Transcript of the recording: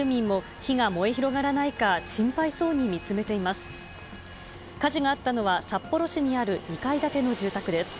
火事があったのは、札幌市にある２階建ての住宅です。